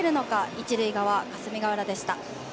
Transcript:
一塁側、霞ヶ浦でした。